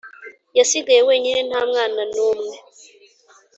Yasigaye wenyine ntamwana numwe